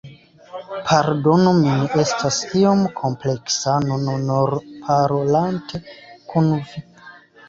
Pardonu min, estas iom kompleksa nun nur parolante kun vi.